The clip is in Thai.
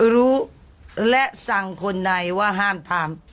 รู้และสั่งคนในว่าห้ามทำ